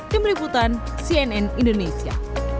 tim liputan cnn indonesia